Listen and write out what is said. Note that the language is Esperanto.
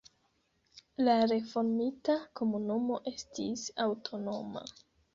La reformita komunumo estis aŭtonoma.